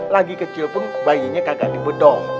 lagi kecil pun bayinya kakak dibedong